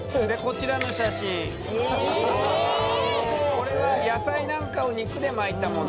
これは野菜なんかを肉で巻いたもの。